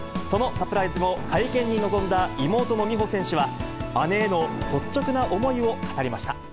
そのサプライズ後、会見に臨んだ妹の美帆選手は、姉への率直な思いを語りました。